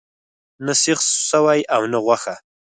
نه سیخ سوی او نه غوښه.